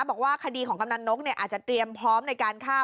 บอกว่าคดีของกำนันนกอาจจะเตรียมพร้อมในการฆ่า